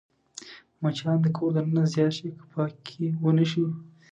مچان د کور دننه زیات شي که پاکي ونه شي